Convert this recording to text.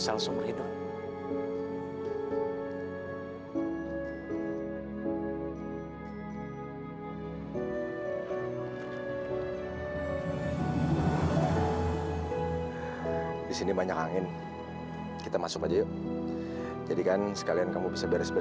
sampai jumpa di video selanjutnya